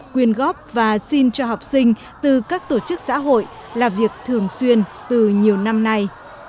quyền góp và xin cho học sinh từ các tổ chức xã hội là việc thường xuyên từ nhiều năm nay